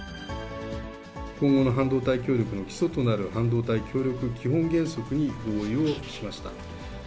今後の半導体協力の基礎となる、半導体協力基本原則に合意をしました。